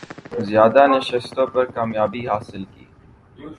زیادہ نشستوں پر کامیابی حاصل کی